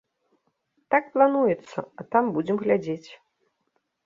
Так плануецца, а там будзем глядзець.